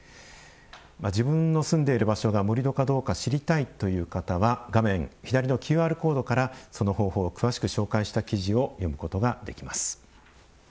自分の住んでいる場所が盛土かどうか知りたいという方は画面左のＱＲコードからその方法を詳しく紹介した記事を読むことができます。